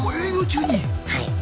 はい。